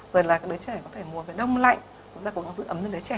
rồi là đứa trẻ có thể mùa về đông lạnh chúng ta cũng có giữ ấm cho đứa trẻ